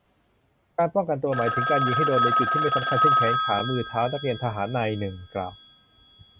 "การป้องกันตัวหมายถึง การยิงให้โดนในจุดที่ไม่สำคัญ เช่น แขน ขา มือ เท้า" นักเรียนทหารนายหนึ่งกล่าว